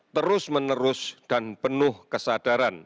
terus menerus dan penuh kesadaran